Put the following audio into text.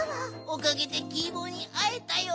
おかげでキー坊にあえたよ！